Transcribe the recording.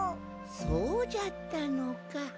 そうじゃったのか。